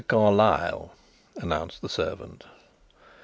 Carlyle," announced the servant.